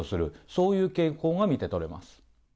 そういう傾向が見て取れます。